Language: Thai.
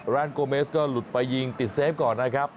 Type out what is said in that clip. ร้านโกเมสก็หลุดไปยิงติดเซฟก่อนนะครับ